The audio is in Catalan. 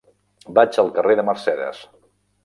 Vaig al carrer de Mercedes.